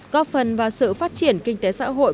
góp phần vào sự phát triển kinh tế xã hội